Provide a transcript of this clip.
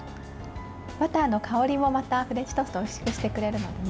バターの香りもまたフレンチトーストをおいしくしてくれるのでね。